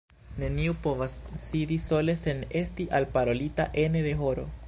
Neniu povas sidi sole sen esti alparolita ene de horo.